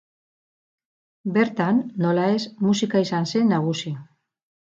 Bertan, nola ez, musika izan zen nagusi.